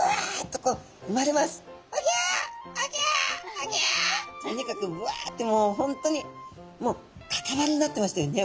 とにかくうわってもう本当にもうかたまりになってましたよね